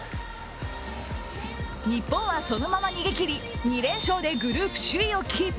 日本はそのまま逃げきり、２連勝でグループ首位をキープ。